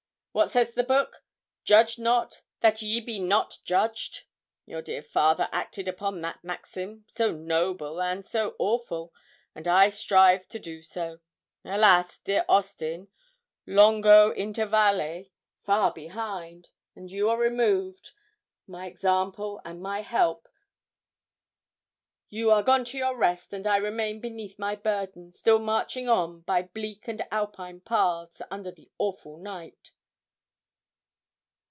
What says the Book? "Judge not, that ye be not judged." Your dear father acted upon that maxim so noble and so awful and I strive to do so. Alas! dear Austin, longo intervalle, far behind! and you are removed my example and my help; you are gone to your rest, and I remain beneath my burden, still marching on by bleak and alpine paths, under the awful night.